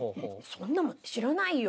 そんなもん知らないよ。